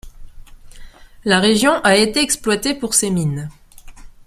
La région a été exploitée pour ses mines.